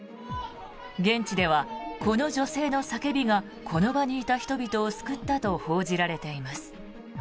現地ではこの女性の叫びがこの場にいた人々を救ったと報じられています。